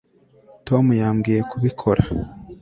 tom yambwiye kubikora